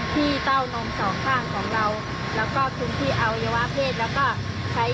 ผิดก็เลยตั้งแต่นั้นก็เลยไม่ไป